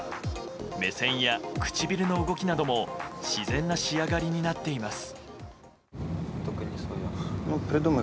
目線や唇の動きなども自然な仕上がりになっています。